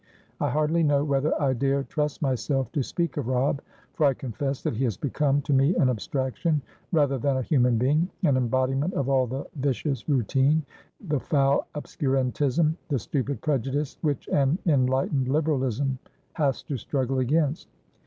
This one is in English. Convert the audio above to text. I hardly know whether I dare trust myself to speak of Robb, for I confess that he has become to me an abstraction rather than a human beingan embodiment of all the vicious routine, the foul obscurantism, the stupid prejudice, which an enlightened Liberalism has to struggle against.